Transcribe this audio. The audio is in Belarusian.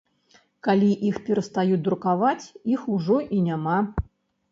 Калі іх перастаюць друкаваць, іх ужо і няма.